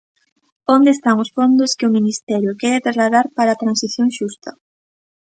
¿Onde están os fondos que o Ministerio quere trasladar para a transición xusta?